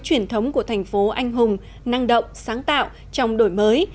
truyền thống của thành phố anh hùng năng động sáng tạo trong đổi mới